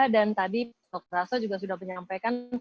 dan tadi dokter hasso juga sudah menyampaikan